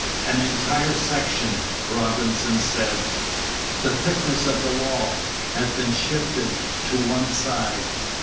"An entire section," Robinson said "the thickness of the wall has been shifted to one side.